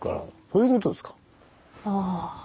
そういうことですか？